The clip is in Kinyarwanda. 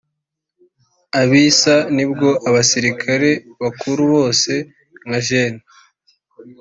Ibisa nibyo abasirikare bakuru bose nka Gen